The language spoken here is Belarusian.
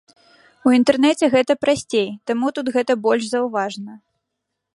У інтэрнэце гэта прасцей, таму тут гэта больш заўважна.